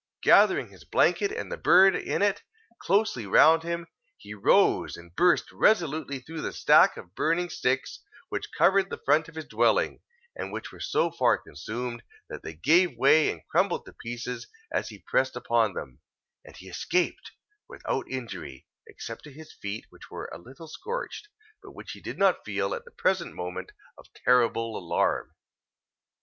Gathering his blanket and the bird in it, closely round him, he rose, and burst resolutely through the stack of burning sticks, which covered the front of his dwelling, and which were so far consumed, that they gave way and crumbled to pieces as he pressed upon them; and he escaped without injury, except to his feet, which were a little scorched, but which he did not feel, at the present moment of terrible alarm.